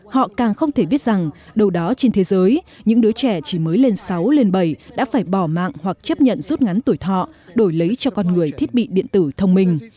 họ càng không thể biết rằng đâu đó trên thế giới những đứa trẻ chỉ mới lên sáu lên bảy đã phải bỏ mạng hoặc chấp nhận rút ngắn tuổi thọ đổi lấy cho con người thiết bị điện tử thông minh